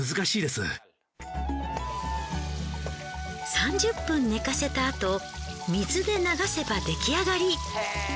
３０分寝かせたあと水で流せば出来上がり。